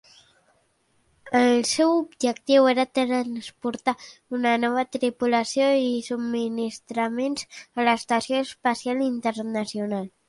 El seu objectiu era transportar una nova tripulació i subministraments a l'Estació Espacial Internacional.